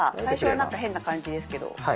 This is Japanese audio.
最初はなんか変な感じですけど。